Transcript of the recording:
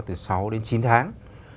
từ sáu đến chín tháng